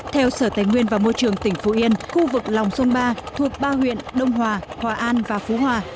theo sở tài nguyên và môi trường tỉnh phú yên khu vực lòng sông ba thuộc ba huyện đông hòa hòa an và phú hòa